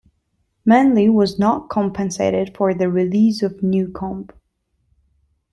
Manley was not compensated for the release of Newcombe.